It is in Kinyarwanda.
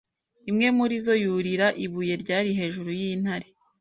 Imwe muri zo yurira ibuye ryari hejuru y'intare